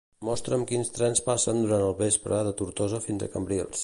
Mostra'm quins trens passen durant el vespre de Tortosa fins a Cambrils.